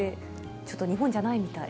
ちょっと日本じゃないみたい。